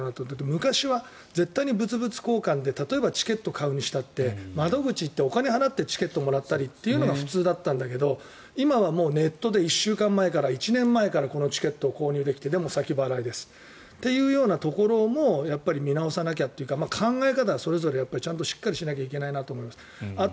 昔は絶対に物々交換で例えば、チケット買うにしたって窓口に行って、お金を払ってチケットをもらったりというのが普通だったけど今はネットで１週間前から１年前からチケットを購入できてでも先払いですというようなところも見直さなきゃというか考え方はそれぞれしっかりしなきゃいけないなと思います。